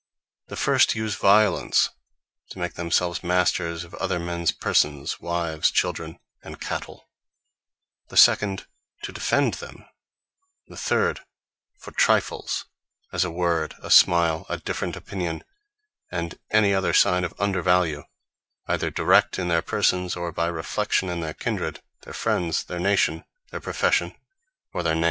The first use Violence, to make themselves Masters of other mens persons, wives, children, and cattell; the second, to defend them; the third, for trifles, as a word, a smile, a different opinion, and any other signe of undervalue, either direct in their Persons, or by reflexion in their Kindred, their Friends, their Nation, their Profession, or their Name.